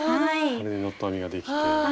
これでノット編みができて。